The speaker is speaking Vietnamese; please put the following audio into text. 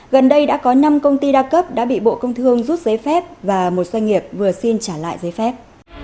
gần đây đã có năm công ty đa cấp đã bị bộ công thương rút giấy phép và một doanh nghiệp vừa xin trả lại giấy phép